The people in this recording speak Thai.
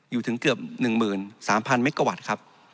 อยู่ถึงเกือบ๑หมื่น๓พันเมกะวัตต์